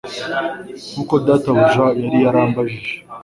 nk'uko databuja yari yarambajije